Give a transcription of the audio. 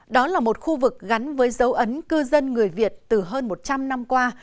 đó là một khu vực gắn với dấu ấn cư dân người việt từ hơn một trăm linh năm qua